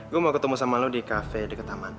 gue mau ketemu sama lo di kafe dekat taman